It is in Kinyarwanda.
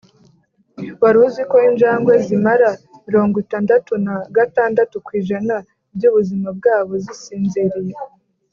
wari uziko injangwe zimara mirongo itandatu na gatandatu kwijana byubuzima bwabo zisinziriye